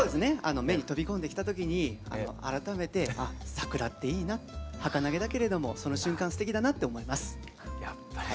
目に飛び込んできた時に改めて桜っていいなはかなげだけれどもその瞬間すてきだなって思います。